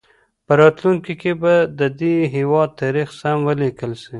په راتلونکي کي به د دې هېواد تاریخ سم ولیکل سي.